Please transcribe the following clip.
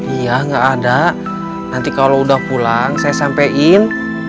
iya nggak ada nanti kalau udah pulang saya sampein